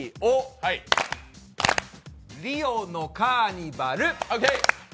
リオのカーニバル。